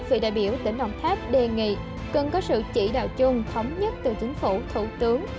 vị đại biểu tỉnh đồng tháp đề nghị cần có sự chỉ đạo chung thống nhất từ chính phủ thủ tướng